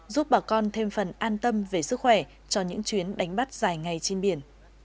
giúp bà con thêm phần an tâm về sức khỏe cho những chuyến đánh bắt dài ngày trên biển